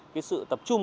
cái sự tập trung